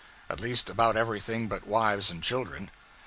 At least, about everything but wives and children.